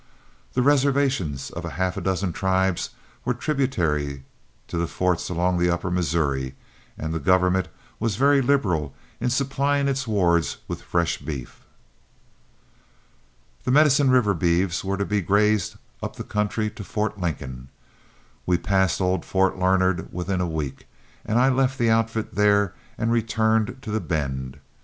The reservations of half a dozen tribes were tributary to the forts along the upper Missouri, and the government was very liberal in supplying its wards with fresh beef. The Medicine River beeves were to be grazed up the country to Fort Lincoln. We passed old Fort Larned within a week, and I left the outfit there and returned to The Bend.